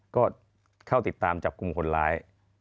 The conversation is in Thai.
ก็เข้าติดตามจับกลุ่มคนร้าย